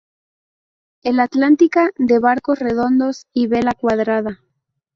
El atlántica, de barcos redondos y vela cuadrada.